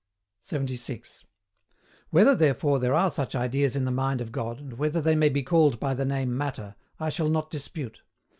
76. Whether therefore there are such Ideas in the mind of God, and whether they may be called by the name Matter, I shall not dispute.